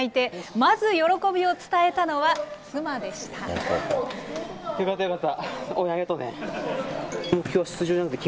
まず喜びを伝えたのは妻でした。